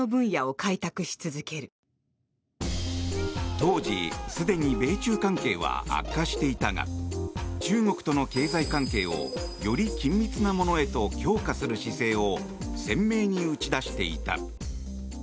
当時すでに米中関係は悪化していたが中国との経済関係をより緊密なものへと強化する姿勢を鮮明に打ち出していた。